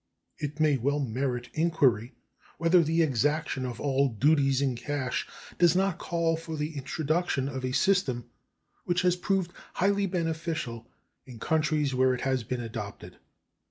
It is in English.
It may well merit inquiry whether the exaction of all duties in cash does not call for the introduction of a system which has proved highly beneficial in countries where it has been adopted.